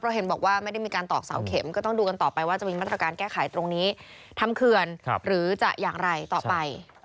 เห็นบอกว่าไม่ได้มีการตอกเสาเข็มก็ต้องดูกันต่อไปว่าจะมีมาตรการแก้ไขตรงนี้ทำเขื่อนหรือจะอย่างไรต่อไป